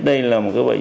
đây là một cái bệnh